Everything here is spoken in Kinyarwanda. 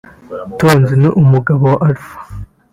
Tonzi n’umugabo we Alpha